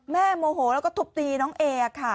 แม่โมโหแล้วก็ตบตีน้องเอ๋